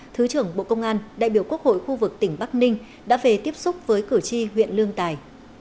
thứ trưởng bộ công an đại biểu quốc hội khu vực tỉnh bắc ninh đã về tiếp xúc với cử tri huyện lương tài